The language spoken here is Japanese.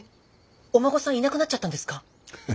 お孫さんいなくなっちゃったんですか？